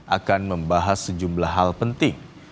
akan membahas sejumlah hal penting